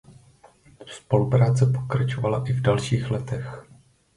Spolupráce pokračovala i v dalších letech.